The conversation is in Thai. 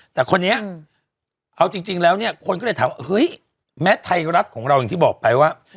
แต่คนนี้เอาจริงแล้วเนี่ยคนก็เลยถามว่าเฮ้ยแม้ไทยรัฐของเราอย่างที่บอกไปว่า